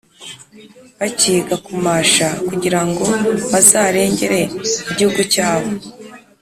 Bakiga kumasha, kugirango bazarengere igihugu cyabo,